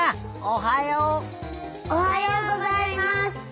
おはようございます。